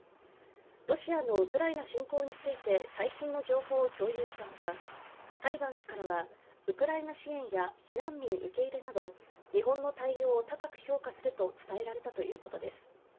ロシアのウクライナ侵攻について最新の情報を共有した他、サリバン氏からは、ウクライナ支援や避難民受け入れなど日本の対応を高く評価すると伝えられたということです。